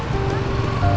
setia pak bos